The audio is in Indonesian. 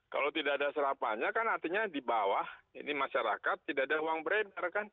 kalau tidak ada serapannya kan artinya di bawah ini masyarakat tidak ada uang beredar kan